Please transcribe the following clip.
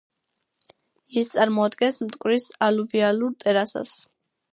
ის წარმოადგენს მტკვრის ალუვიალურ ტერასას.